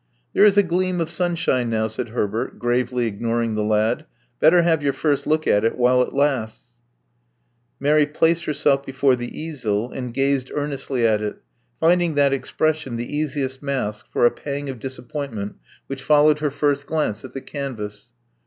There is a gleam of sunshine now," said Herbert, gravely ignoring the lad. Better have your first look at it while it lasts.'* Mary placed herself before the easel, and gazed earnestly at it, finding that expression the easiest mask for a pang of disappointment which followed her first Love Among the Artists 17 glance at the canvas.